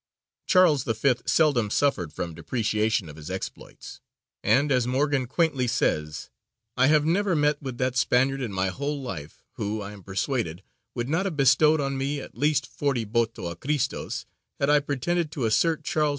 Charles V. seldom suffered from depreciation of his exploits, and, as Morgan quaintly says, "I have never met with that Spaniard in my whole life, who, I am persuaded, would not have bestowed on me at least forty Boto a Christo's, had I pretended to assert Charles V.